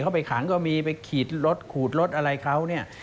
เขาไปขังก็มีไปขีดรถขูดรถอะไรเขาเนี่ย